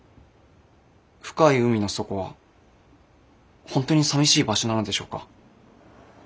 深い海の底は本当に寂しい場所なのでしょうか。